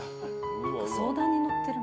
相談に乗ってる。